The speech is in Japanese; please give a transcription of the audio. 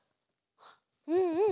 うんうん。